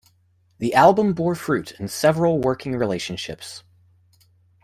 The album bore fruit in several working relationships.